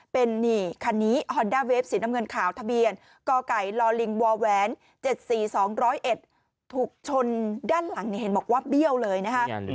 เป็นนี่คันนี้ฮอนด้าเวฟสีน้ำเงินขาวทะเบียนกไก่ลิงวแหวน๗๔๒๐๑ถูกชนด้านหลังเห็นบอกว่าเบี้ยวเลยนะคะ